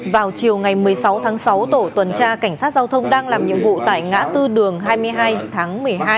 vào chiều ngày một mươi sáu tháng sáu tổ tuần tra cảnh sát giao thông đang làm nhiệm vụ tại ngã tư đường hai mươi hai tháng một mươi hai